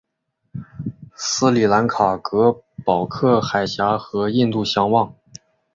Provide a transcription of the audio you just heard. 斯里兰卡隔保克海峡和印度相望。